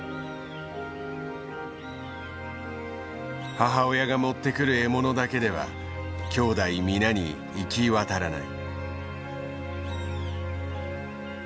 母親が持ってくる獲物だけではきょうだい皆に行き渡らない。